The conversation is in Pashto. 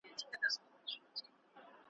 نه په غېږ کي د ځنګله سوای ګرځیدلای .